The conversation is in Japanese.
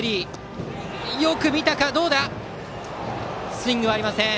スイングはありません。